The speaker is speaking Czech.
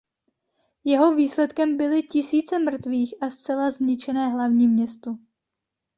Jeho výsledkem byly tisíce mrtvých a zcela zničené hlavní město.